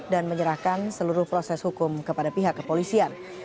dan menyerahkan seluruh proses hukum kepada pihak kepolisian